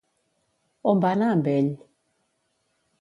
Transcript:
On va anar, amb ell?